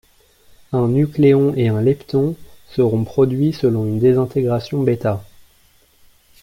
Un nucléon et un lepton seront produits selon une désintégration β.